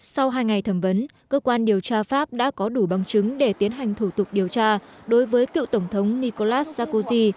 sau hai ngày thẩm vấn cơ quan điều tra pháp đã có đủ bằng chứng để tiến hành thủ tục điều tra đối với cựu tổng thống nicolas sakozy